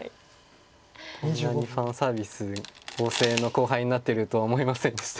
こんなにファンサービス旺盛の後輩になってるとは思いませんでした。